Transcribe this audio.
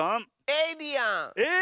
エイリアン。